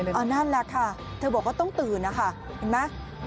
นั่นแหละค่ะเธอบอกว่าต้องตื่นนะคะ